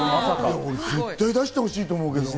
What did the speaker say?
俺、絶対出してほしいと思う。